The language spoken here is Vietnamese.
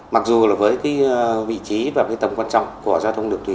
mặc dù với vị trí và tầng quan trọng của giao thông đường thủy